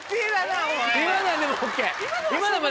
今のはでもＯＫ。